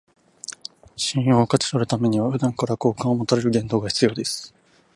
信用を勝ち取るためには、普段から好感を持たれる言動が必要です